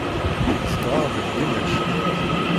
Zedɣeɣ deg Dimecq.